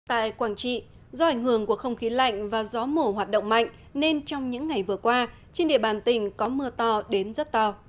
tại quảng trị do ảnh hưởng của không khí lạnh và gió mùa hoạt động mạnh nên trong những ngày vừa qua trên địa bàn tỉnh có mưa to đến rất to